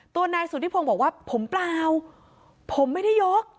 ตัวนายสุธิพงศ์บอกว่าผมเปล่าผมไม่ได้ยก